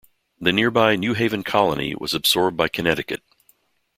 The nearby New Haven Colony was absorbed by Connecticut.